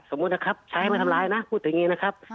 สมมุตินะครับใช้ให้มาทำร้ายนะพูดอย่างงี้นะครับ